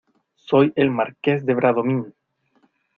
soy el Marqués de Bradomín.